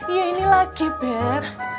ya ini lagi beb